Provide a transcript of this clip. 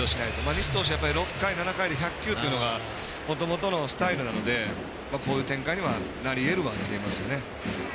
西投手、６回、７回で１００球っていうのがもともとのスタイルなのでこういう展開にはなりえるとは思います。